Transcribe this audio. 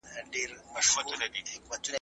تاسو باید د انټرنیټ څخه په سمه توګه ګټه واخلئ.